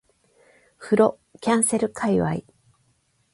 風呂キャンセル界隈